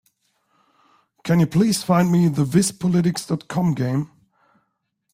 Can you please find me the Wispolitics.com game?